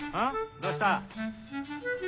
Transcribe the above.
どうした？